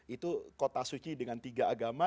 itu kota suci dengan tiga agama